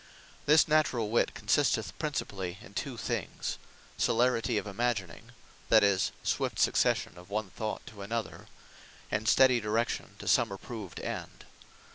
This NATURALL WITTE, consisteth principally in two things; Celerity Of Imagining, (that is, swift succession of one thought to another;) and Steddy Direction to some approved end.